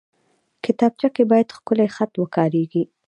کتابچه کې باید ښکلی خط وکارېږي